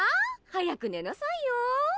早く寝なさいよ！